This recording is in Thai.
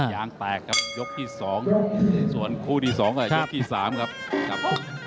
ย่างแตกครับยกที่สองส่วนคู่ที่สองก็ยกที่สามครับครับ